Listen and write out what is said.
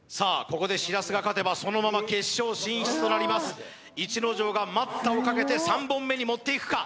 ここでしらすが勝てばそのまま決勝進出となります逸ノ城が待ったをかけて３本目にもっていくか？